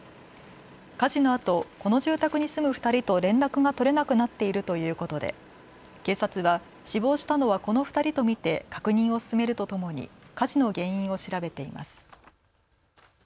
火事のあとこの住宅に住む２人と連絡が取れなくなっているということで警察は死亡したのはこの２人と見て確認を進めるとともに火事の原因を調べています。